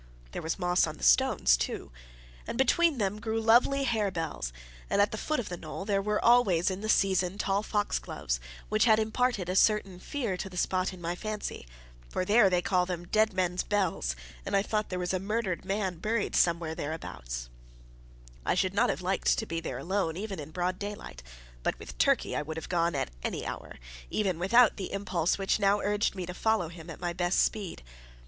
There was moss on the stones too, and between them grew lovely harebells, and at the foot of the knoll there were always in the season tall foxgloves, which had imparted a certain fear to the spot in my fancy. For there they call them Dead Man's Bells, and I thought there was a murdered man buried somewhere thereabout. I should not have liked to be there alone even in the broad daylight. But with Turkey I would have gone at any hour, even without the impulse which now urged me to follow him at my best speed.